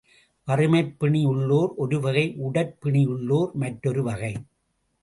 வறுமைப் பிணி உள்ளோர் ஒரு வகை உடற் பிணியுள்ளோர் மற்றொரு வகை.